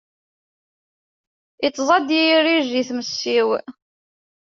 Ittzad yirij i tmes-iw.